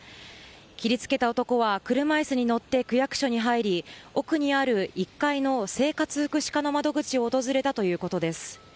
切りつけた男は車いすに乗って区役所に入り奥にある１階の生活福祉課の窓口を訪れたということです。